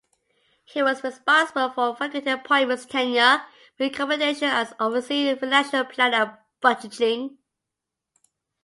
He was responsible for faculty appointments tenure recommendations and overseeing financial planning and budgeting.